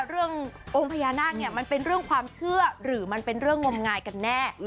องค์พญานาคเนี่ยมันเป็นเรื่องความเชื่อหรือมันเป็นเรื่องงมงายกันแน่